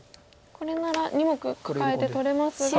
これなら２目カカえて取れますが。